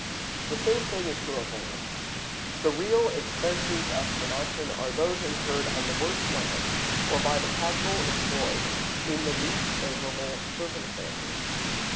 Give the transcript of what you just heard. The same thing is true of land. The real expenses of production are those incurred on the worst land, or by the capital employed in the least favorable circumstances.